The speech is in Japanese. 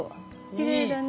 きれいだね。